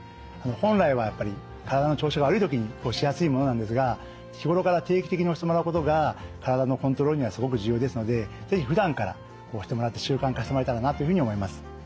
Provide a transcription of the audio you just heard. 本来はやっぱり体の調子が悪い時に押しやすいものなんですが日頃から定期的に押してもらうことが体のコントロールにはすごく重要ですので是非ふだんから押してもらって習慣化してもらえたらなというふうに思います。